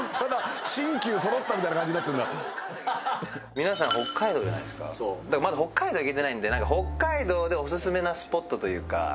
皆さん北海道じゃないっすかまだ北海道行けてないんで何か北海道でお薦めなスポットというか。